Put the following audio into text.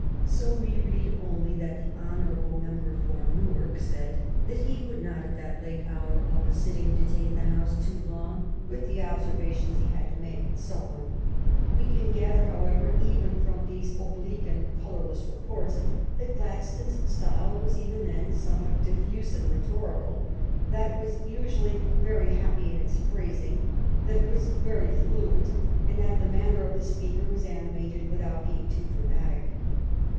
So we read only that the honorable member for Newark said that he would not at that late hour of the sitting detain the House too long with the observa tions he had to make — and so on. We can gather, however, even from these oblique and colorless reports, that Gladstone s style was even then some what diffuse and rhetorical, that it was usually very happy in its phrasing, that it was very fluent, and that the manner of the speaker was animated with out being too dramatic.